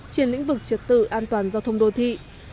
trên lĩnh vực trật tự an toàn giao thông đô thị